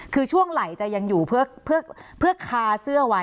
คือช่วงไหล่จะยังอยู่เพื่อคาเสื้อไว้